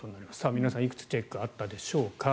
皆さん、いくつチェックがあったでしょうか。